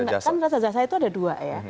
kan rasa jasa itu ada dua ya